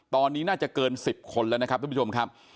ตอนนี้น่าจะเกิน๑๐คนแล้วนะครับทุกผู้ชมครับ